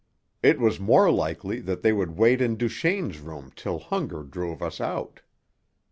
It was more likely that they would wait in Duchaine's room till hunger drove us out.